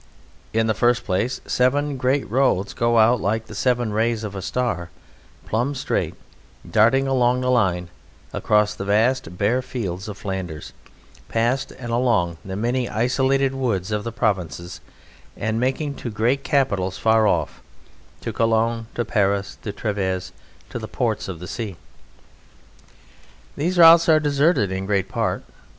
In the first place, seven great roads go out like the seven rays of a star, plumb straight, darting along the line, across the vast, bare fields of Flanders, past and along the many isolated woods of the provinces, and making to great capitals far off to Cologne, to Paris, to Treves, and to the ports of the sea. These roads are deserted in great part.